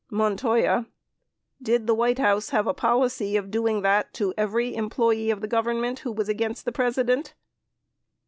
Montoya. Did the White House have a policy of doing that to every employee in the Government who was against the President